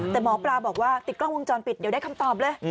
แต่หมอปลาบอกว่าติดกล้องวงจรปิดเดี๋ยวได้คำตอบเลย